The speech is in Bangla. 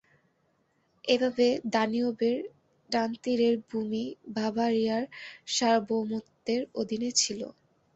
এভাবে দানিয়ুবের ডান তীরের ভূমি বাভারিয়ার সার্বভৌমত্বের অধীনে ছিল।